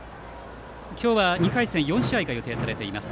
今日は２回戦４試合が予定されています。